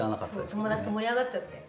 そう友達と盛り上がっちゃって。